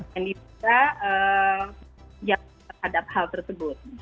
yang diduga terhadap hal tersebut